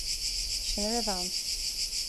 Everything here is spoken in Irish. Sin a raibh ann.